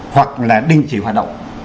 hoặc là đình chỉ hoạt động